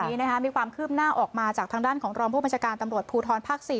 วันนี้มีความคืบหน้าออกมาจากทางด้านของรองผู้บัญชาการตำรวจภูทรภาค๔